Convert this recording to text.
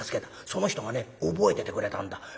その人がね覚えててくれたんだ。